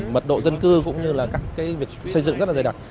mật độ dân cư cũng như là các việc xây dựng rất là dày đặc